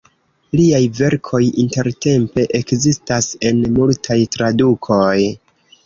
Liaj verkoj intertempe ekzistas en multaj tradukoj.